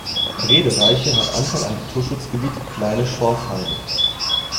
Bredereiche hat Anteil am Naturschutzgebiet "Kleine Schorfheide".